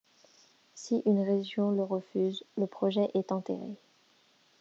Si une région le refuse, le projet est enterré.